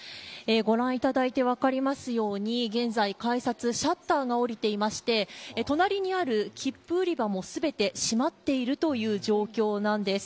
ご覧いただいて分かりますように現在、改札シャッターが下りていまして隣にある切符売り場も全て閉まっているという状況なんです。